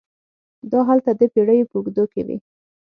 دا هلته د پېړیو په اوږدو کې وې.